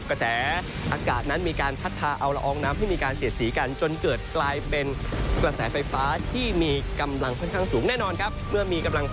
จับงอกแสอากาศนั้นมีการพัดพาเอาละอ้องน้ำเรียบกว่าเชื่อสีกันจนกลายเป็นแสครี้อย่างเหลือครับ